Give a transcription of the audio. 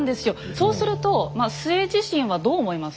そうすると陶自身はどう思います？